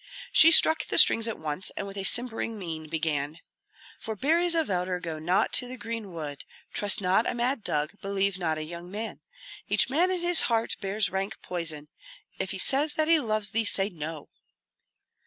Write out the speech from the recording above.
She struck the strings at once, and with a simpering mien began, "For berries of elder go not to the green wood. Trust not a mad dog, believe not a young man. Each man in his heart bears rank poison; If he says that he loves thee, say No."